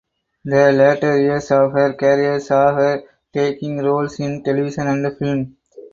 The latter years of her career saw her taking roles in television and film.